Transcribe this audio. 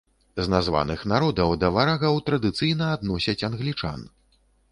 З названых народаў да варагаў традыцыйна адносяць англічан.